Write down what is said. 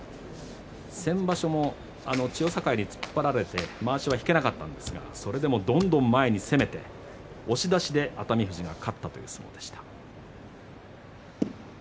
先場所も千代栄に突っ張られてまわしは引けなかったんですがそれでもどんどん前に攻めて押し出しで熱海富士が勝ったという相撲でした。